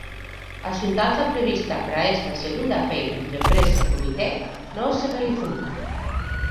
A xuntanza prevista para esta segunda feira entre empresa e comité non se realizou.